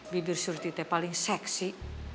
bibir surti teh paling seksi